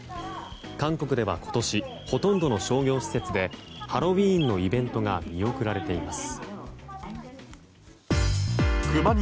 韓国では今年ほとんどの商業施設でハロウィーンのイベントが見送られています。